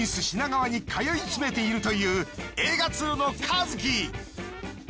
品川に通い詰めているという映画通のカズキ！